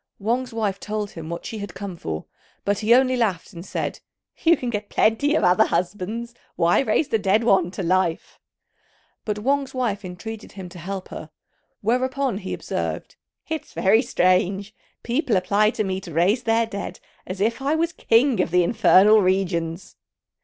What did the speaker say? Wang's wife told him what she had come for, but he only laughed and said, "You can get plenty of other husbands. Why raise the dead one to life?" But Wang's wife entreated him to help her; whereupon he observed, "It's very strange: people apply to me to raise their dead as if I was king of the infernal regions."